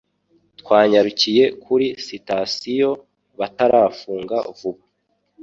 Twanyarukiye kuri sitasiyo batarafunga vuba